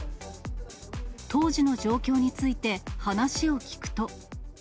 当時の状況について話を聞くと。